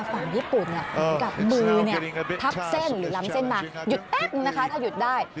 ฝั่งญี่ปุ่นกับมือทับเส้นหรือล้ำเส้นมาหยุดแป๊บนึงนะคะถ้าหยุดได้